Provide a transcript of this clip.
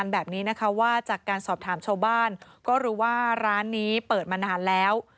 แบบนี้นะคะว่าจากการสอบถามชาวบ้านก็รู้ว่าร้านนี้เปิดมานานแล้ว